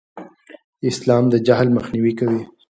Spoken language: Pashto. اسلام د جهل مخنیوی کوي.